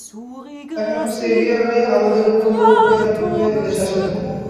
একমাত্র সেভিয়াররাই আমাদের উপর মুরুব্বিয়ানা করতে এদেশে আসেননি।